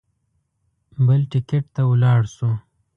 بل ټکټ ته ولاړ شو.